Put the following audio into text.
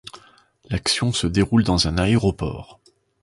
L'action se déroule dans un aéroport.